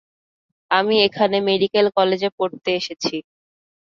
আমি এখানে মেডিকেল কলেজে পড়তে এসেছি।